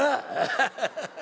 ハハハハ！